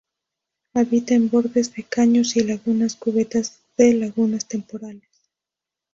Habita en bordes de caños y lagunas, cubetas de lagunas temporales.